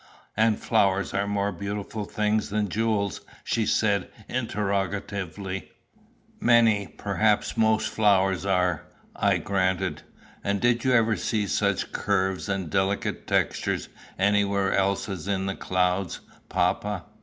"And flowers are more beautiful things than jewels?' she said interrogatively. "Many perhaps most flowers are," I granted. "And did you ever see such curves and delicate textures anywhere else as in the clouds, papa?"